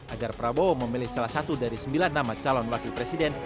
agar prabowo memilih salah satu dari sembilan nama calon wakil presiden